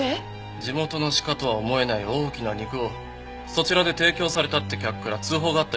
地元の鹿とは思えない大きな肉をそちらで提供されたって客から通報があったようで。